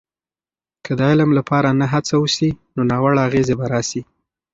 که د علم لپاره نه هڅه وسي، نو ناوړه اغیزې به راسي.